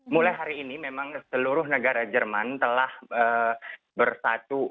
mulai hari ini memang seluruh negara jerman telah bersatu